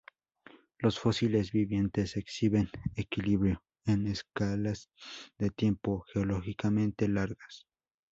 Los fósiles vivientes exhiben equilibrio en escalas de tiempo geológicamente largas.